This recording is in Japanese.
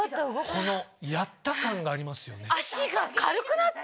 このやった感がありますよね。